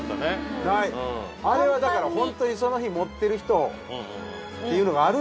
あれはだからホントにその日持ってる人っていうのがあるんすよ。